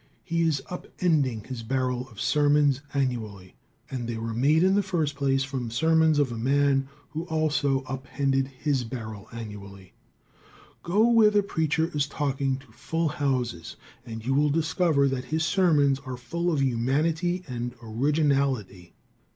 He is "up ending" his barrel of sermons annually, and they were made in the first place from the sermons of a man who also "up ended" his barrel annually. Go where the preacher is talking to full houses, and you will discover that his sermons are full of humanity and originality.